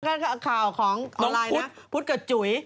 บางข้าวของออลลายน์นะพุธกับจุ๋ย